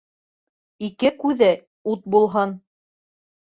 Ике күҙе ут булһын.